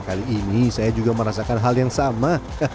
kali ini saya juga merasakan hal yang sama